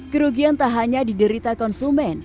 kerugian tak hanya diderita konsumen